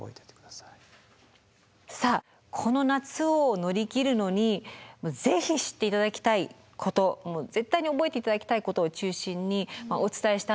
この夏を乗り切るのにぜひ知って頂きたいこと絶対に覚えて頂きたいことを中心にお伝えしたんですけど。